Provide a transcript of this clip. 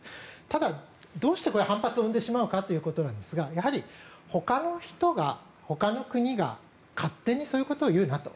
ただ、どうしてこれ反発を生んでしまうかということなんですがやはりほかの人がほかの国が勝手にそういうことを言うなと。